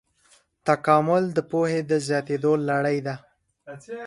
تکامل د پوهې د زیاتېدو لړۍ ده.